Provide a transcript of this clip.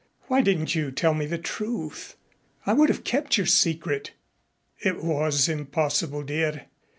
Why didn't you tell me the truth? I would have kept your secret." "It was impossible, dear.